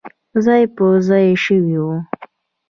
ځای پر ځای شوي وو.